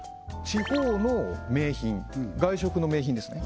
地方の名品外食の名品ですね